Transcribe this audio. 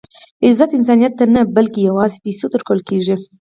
عزت انسانیت ته نه؛ بلکي یوازي پېسو ته ورکول کېږي.